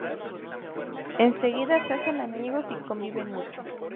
Enseguida se hacen amigos y conviven mucho.